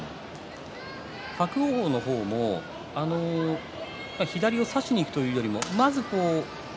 伯桜鵬の方は左を差しにいくというよりも。